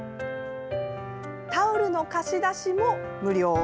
タオルの貸し出しも無料。